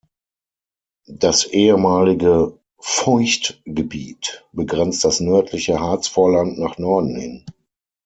Das ehemalige Feuchtgebiet begrenzt das nördliche Harzvorland nach Norden hin.